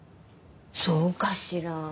そうかしら？